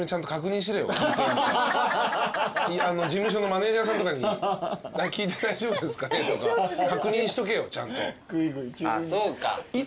事務所のマネジャーさんとかに聞いて大丈夫ですかね？とか確認しとけよちゃんと。